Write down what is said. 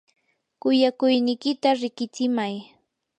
kuyakuynikita riqitsimay.